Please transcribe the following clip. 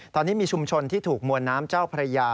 ตอนนี้มีชุมชนที่ถูกมวลน้ำเจ้าพระยา